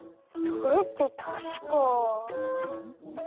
それってたしか。